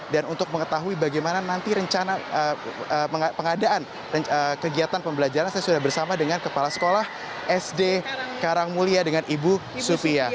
dan untuk mengetahui bagaimana nanti rencana pengadaan kegiatan pembelajaran saya sudah bersama dengan kepala sekolah sd karangmulia dengan ibu supia